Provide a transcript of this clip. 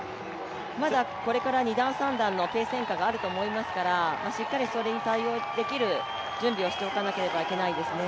まだこれから２段、３段のペース変化があると思いますからそれに対応する準備をしておかなければいけないですね。